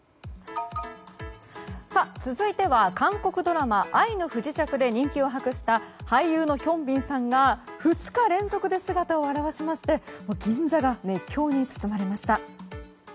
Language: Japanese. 続いては韓国ドラマ「愛の不時着」で人気を博した俳優のヒョンビンさんが２日連続で姿を現しまして銀座が熱狂に包まれました。